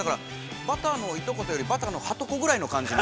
バターのいとこというより、バターのはとこぐらいの感じの。